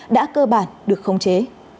đã cơ bản được khống chế